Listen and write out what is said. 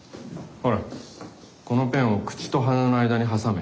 ほらこのペンを口と鼻の間に挟め。